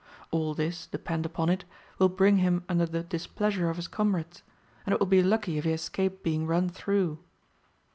All this, depend upon it, will bring him under the displeasure of his comrades; and it will be lucky if he escape being run through.'